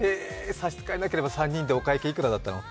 差し支えなければ３人でお会計いくらだったの？